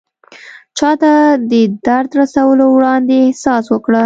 چاته د درد رسولو وړاندې احساس وکړه.